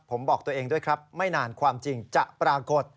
ผมบอกตัวเองด้วยครับไม่นานความจริงจะปรากฏ